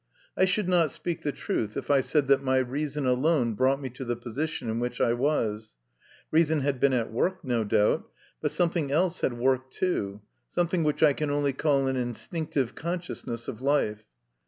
I should not speak the truth, if I said that my reason alone brought me to the position in which I was. Reason had been at work, no doubt, but something else had worked too, something which I can only call an instinctive consciousness of life.